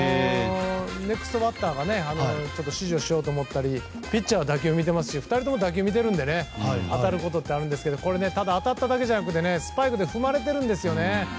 ネクストバッターが指示をしようと思ったりピッチャーが打球を見ているし２人とも見ているから当たることってあるんですがこれ、ただ当たっただけじゃなくスパイクで踏まれてるんですよね。